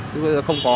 nhưng mà không có